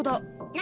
何？